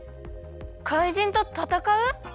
かいじんとたたかう！？